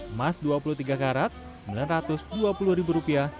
emas dua puluh tiga karat rp sembilan ratus dua puluh ribu rupiah